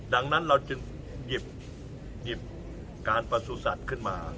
ดังนั้นเราจึงหยิบการประสูจัตว์ขึ้นมา